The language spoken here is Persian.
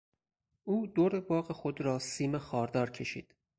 او دور باغ خود را سیم خاردار کشید.